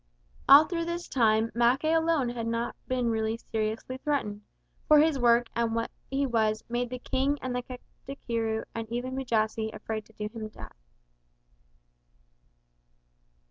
All through this time Mackay alone had not been really seriously threatened, for his work and what he was made the King and the Katikiro and even Mujasi afraid to do him to death.